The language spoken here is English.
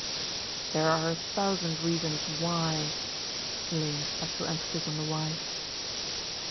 "There are a thousand reasons why," laying special emphasis on the why.